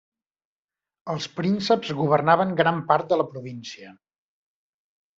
Els prínceps governaven gran part de la província.